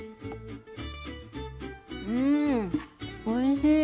うんおいしい。